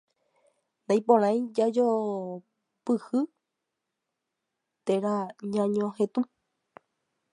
Naiporãi jajopopyhy térã ñañohetũ.